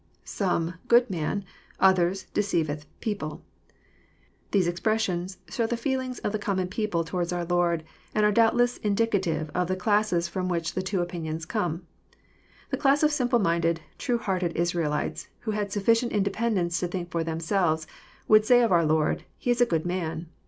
. [8ome„.good man : others„.deceiveth...people.] These expres sions show the feeling of the common people towards our Lord, and are doubtless indicative of the classes fVom which the two opinions came. The class of simple minded, true hearted Is raelites, who had sufficient independence to think for them selves, would say of our Lord, "He is a good man."